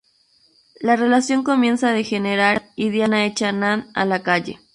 La relación comienza a degenerar, y Diana echa a Nan a la calle.